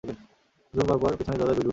কিছুক্ষণ পরপর পিছনের দরজায় ধুপ ধুপ শব্দ।